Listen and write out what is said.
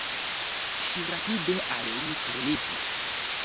Ŝi rapide al li turniĝis.